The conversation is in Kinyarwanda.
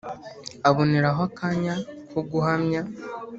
aboneraho akanya ko guhamya